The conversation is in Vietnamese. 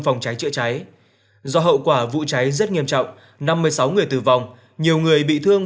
phòng cháy chữa cháy do hậu quả vụ cháy rất nghiêm trọng năm mươi sáu người tử vong nhiều người bị thương